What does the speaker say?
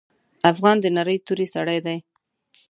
افغان د نرۍ توري سړی دی.